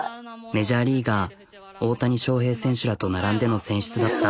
メジャーリーガー大谷翔平選手らと並んでの選出だった。